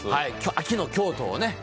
秋の京都をね。